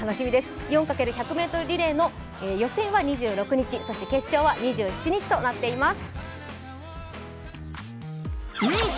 ４×１００ｍリレーの予選は２６日そして決勝は２７日となっています。